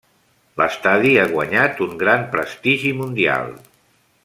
L'estadi ha guanyat un gran prestigi mundial.